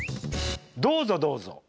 「どうぞどうぞ」。